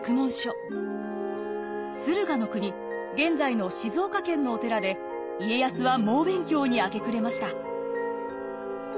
駿河国現在の静岡県のお寺で家康は猛勉強に明け暮れました。